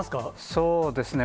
そうですね。